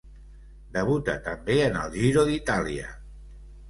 Debuta també en el Giro d'Itàlia.